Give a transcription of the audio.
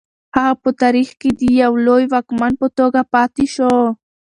هغه په تاریخ کې د یو لوی واکمن په توګه پاتې شو.